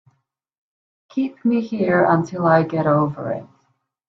Keep me here until I get over it.